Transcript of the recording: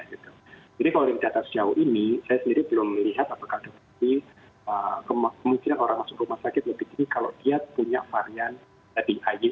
jadi kalau dari data sejauh ini saya sendiri belum melihat apakah ada mungkin kemungkinan orang masuk rumah sakit lebih tinggi kalau dia punya varian di ai empat dua